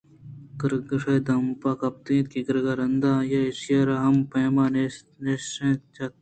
کرگُشکے ءِ دمب ءَ کپتگ اَت کہ گِرگ ءَ رَند آئی ءَ ایشی ءَ را ہما پیم نیش جَت